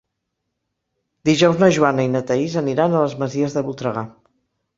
Dijous na Joana i na Thaís aniran a les Masies de Voltregà.